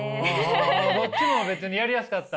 どっちも別にやりやすかった？